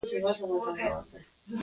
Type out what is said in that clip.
موږ د امن او ازادۍ ته درناوي پابند یو.